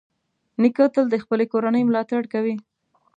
نیکه تل د خپلې کورنۍ ملاتړ کوي.